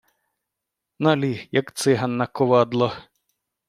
Наліг, як циган на ковалдо